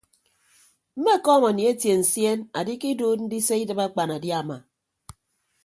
Mmekọọm anietie nsien andikiduud ndise idịb akpanadiama.